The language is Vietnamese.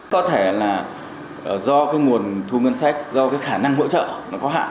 có thể là do cái nguồn thu ngân sách do cái khả năng hỗ trợ nó có hạn